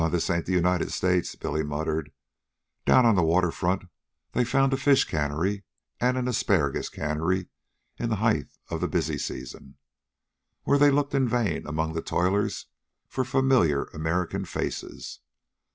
"Huh! this ain't the United States," Billy muttered. Down on the water front they found a fish cannery and an asparagus cannery in the height of the busy season, where they looked in vain among the toilers for familiar American faces.